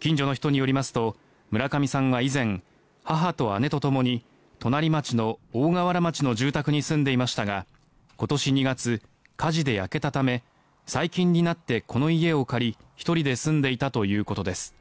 近所の人によりますと村上さんは以前、母と姉ともに隣町の大河原町の住宅に住んでいましたが今年２月、火事で焼けたため最近になってこの家を借り、１人で住んでいたということです。